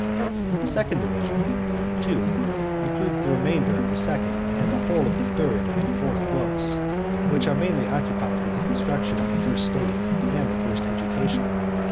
The second division (2) includes the remainder of the second and the whole of the third and fourth books, which are mainly occupied with the construction of the first State and the first education.